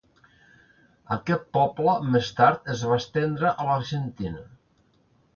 Aquest poble més tard es va estendre a l'Argentina.